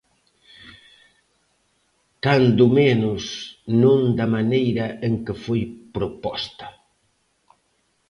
Cando menos non da maneira en que foi proposta.